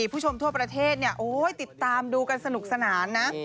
ผู้ชมทั่วประเทศติดตามดูกันสนุกสนานนะ